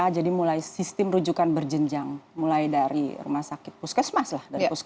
jadi mulai sistem rujukan berjenjang mulai dari rumah sakit puskesmas lah